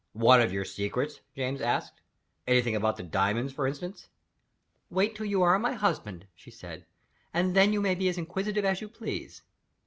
"One of your secrets?" James asked. "Anything about the diamonds, for instance?" "Wait till you are my husband," she said, "and then you may be as inquisitive as you please."